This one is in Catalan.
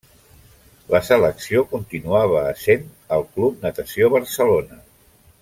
La selecció continuava essent el Club Natació Barcelona.